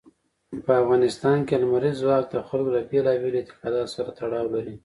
په افغانستان کې لمریز ځواک د خلکو له بېلابېلو اعتقاداتو سره تړاو لري.